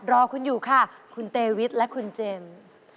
รอคุณอยู่ค่ะคุณเตวิทและคุณเจมส์